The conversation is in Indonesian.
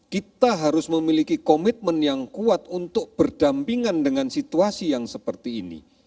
kita harus memiliki komitmen yang kuat untuk berdampingan dengan situasi yang seperti ini